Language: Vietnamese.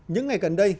những ngày gần đây